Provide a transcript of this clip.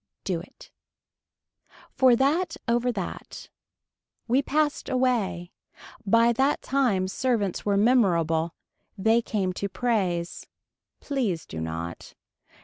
Do it. For that over that. We passed away. By that time servants were memorable. They came to praise. Please do not.